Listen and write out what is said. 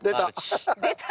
出た。